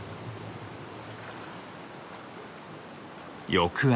翌朝。